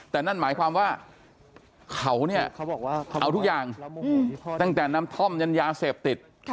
แต่นั่นหมายความว่าเขาเนี่ยเขาเอาทุกอย่างตั้งแต่น้ำท่อมยันยาเสพติด